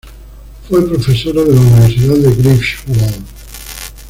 Fue profesora de la Universidad de Greifswald.